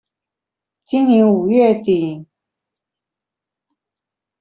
今年五月底